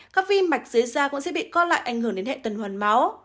các vi mạch dưới da cũng sẽ bị co lại ảnh hưởng đến hệ tuần hoàn máu